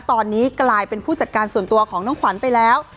ตอนนี้กลายเป็นผู้จัดการส่วนตัวของน้องขวัญไปแล้ว